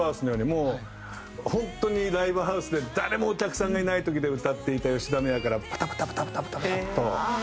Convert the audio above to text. もう本当にライヴハウスで誰もお客さんがいない時で歌っていた吉田美和からパタパタパタパタと見えるんですよ。